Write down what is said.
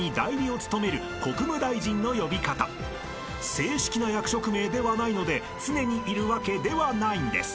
［正式な役職名ではないので常にいるわけではないんです］